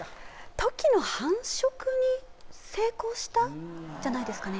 トキの繁殖に成功したじゃないですかね